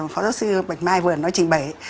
phó giáo sư bạch mai vừa nói trình bày